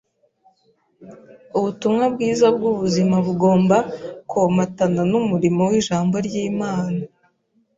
Ubutumwa bwiza bw’ubuzima bugomba komatana n’umurimo w’Ijambo ry’Imana